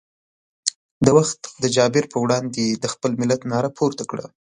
د وخت د جابر پر وړاندې یې د خپل ملت ناره پورته کړه.